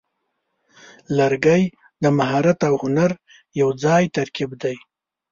لرګی د مهارت او هنر یوځای ترکیب دی.